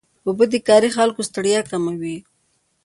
اوبه د کاري خلکو ستړیا کموي.